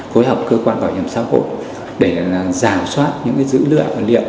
cơ quan bảo hiểm xã hội để rào soát những dữ liệu liệu